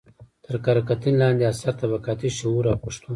تر کره کتنې لاندې اثر: طبقاتي شعور او پښتو